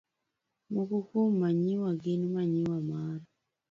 Moko kuom manyiwa gin manyiwa mar